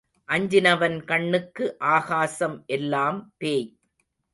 அஞ்சினவன் கண்ணுக்கு ஆகாசம் எல்லாம் பேய்.